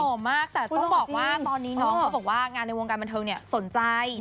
มากแต่ต้องบอกว่าตอนนี้น้องเขาบอกว่างานในวงการบันเทิงเนี่ยสนใจ